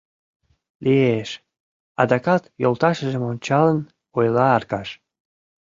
— Лиеш, — адакат йолташыжым ончалын, ойла Аркаш.